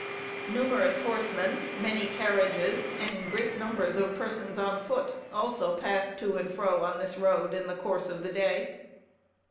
Numerous horsemen, many carriages, and great numbers of persons on foot, also passed to and fro on this road, in the course of the day.